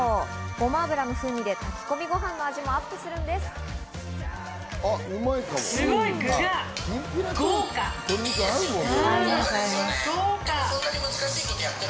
ごま油の風味で炊き込みご飯の味もアップするんです。